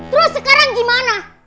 terus sekarang gimana